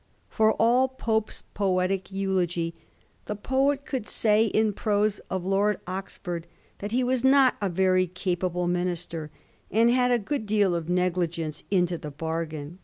For all Pope's poetic eulogy, the poet could say in prose of Lord Oxford that he was not a very capable minister, and had a good deal of negligence into the bargain.